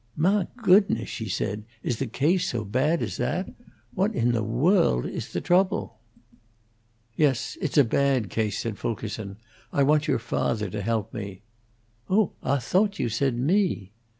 "Mah goodness," she said, "is the case so bad as that? What in the woald is the trouble?" "Yes, it's a bad case," said Fulkerson. "I want your father to help me." "Oh, I thoat you said me!"